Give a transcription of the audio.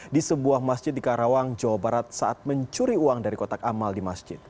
di sebuah masjid di karawang jawa barat saat mencuri uang dari kotak amal di masjid